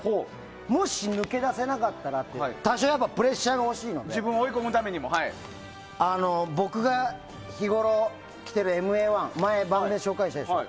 もし抜け出せなかったらっていう多少プレッシャーも欲しいので僕が日ごろ、着ているＭＡ‐１前、番組で紹介したでしょ。